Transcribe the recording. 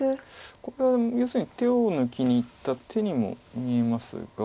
これは要するに手を抜きにいった手にも見えますが。